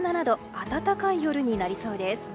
暖かい夜になりそうです。